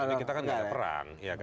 nah ini kita kan udah perang